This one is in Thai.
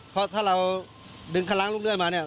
เพราะถ้าเราดึงคลังลูกเลือดมาเนี่ย